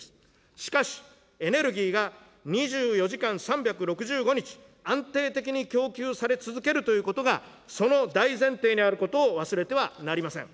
しかし、エネルギーが２４時間３６５日、安定的に供給され続けるということが、その大前提にあることを忘れてはなりません。